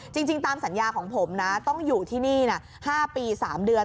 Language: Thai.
จริงจริงตามสัญญาของผมนะต้องอยู่ที่นี่น่ะห้าปีสามเดือน